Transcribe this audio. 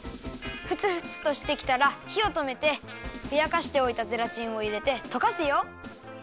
ふつふつとしてきたらひをとめてふやかしておいたゼラチンをいれてとかすよ。